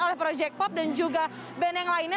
oleh project pop dan juga band yang lainnya